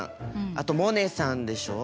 あとモネさんでしょう？